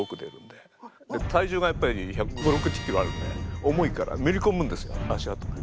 で体重がやっぱり１５０１６０ｋｇあるんで重いからめりこむんですよ足跡が。